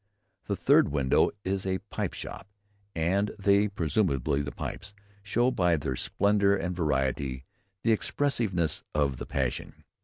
Every third window is a pipe shop, and they [presumably the pipes] show, by their splendour and variety, the expensiveness of the passion.